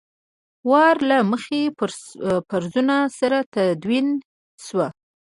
وار له مخکې فرضونو سره تدوین شوي.